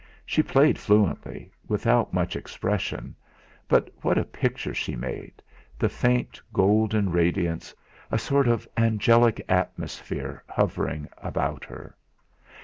She played fluently, without much expression; but what a Picture she made, the faint golden radiance, a sort of angelic atmosphere hovering about her!